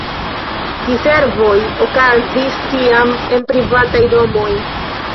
Diservoj okazis tiam en privataj domoj.